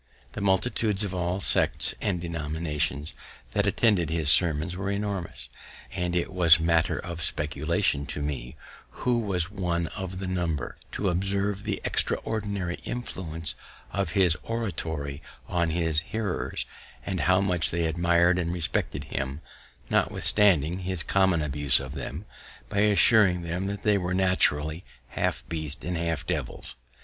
The multitudes of all sects and denominations that attended his sermons were enormous, and it was matter of speculation to me, who was one of the number, to observe the extraordinary influence of his oratory on his hearers, and how much they admir'd and respected him, notwithstanding his common abuse of them, by assuring them they were naturally half beasts and half devils.